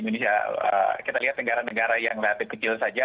indonesia kita lihat negara negara yang relatif kecil saja